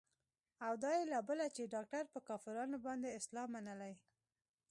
او دا يې لا بله چې ډاکتر پر کافرانو باندې اسلام منلى.